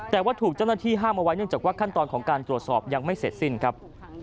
แต่ว่าถูกเจ้าหน้าที่ห้ามเอาไว้เนื่องจากว่าขั้นตอนของการตรวจสอบยังไม่เสร็จสิ้นครับ